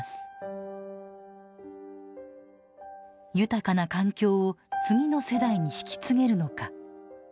「豊かな環境を次の世代に引き継げるのか」。